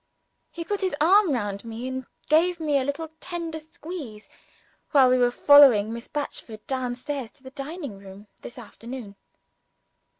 He put his arm round me, and gave me a little tender squeeze, while we were following Miss Batchford down to the dining room this afternoon.